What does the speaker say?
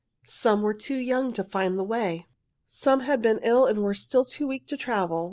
Some were too young to find the way. "'Some had been ill and were still too weak to travel.